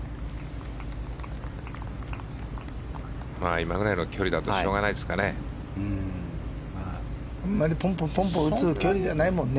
今ぐらいの距離だとしょうがないですかね。